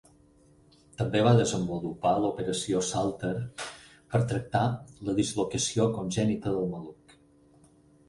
També va desenvolupar l'operació Salter per tractar la dislocació congènita del maluc.